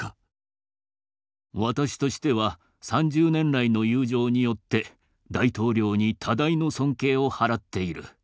私としては３０年来の友情によって大統領に多大の尊敬を払っている。